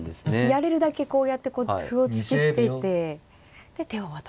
やれるだけこうやって歩を突き捨ててで手を渡す。